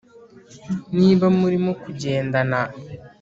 niba murimo kugendana